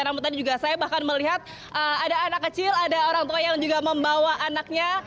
namun tadi juga saya bahkan melihat ada anak kecil ada orang tua yang juga membawa anaknya